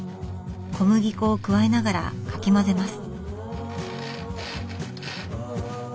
小麦粉を加えながらかき混ぜます。